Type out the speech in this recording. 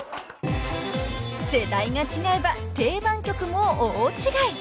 ［世代が違えば定番曲も大違い］